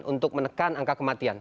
untuk menekan angka kematian